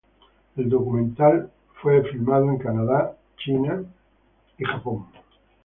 El documental fue filmado en Canadá, China y Estados Unidos.